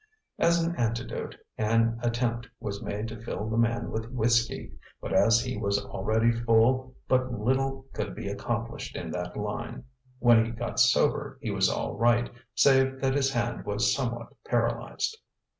As an antidote an attempt was made to fill the man with whisky, but as he was already full but little could be accomplished in that line; when he got sober he was all right save that his hand was somewhat paralyzed.